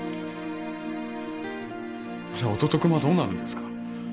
じゃあ弟君はどうなるんですか？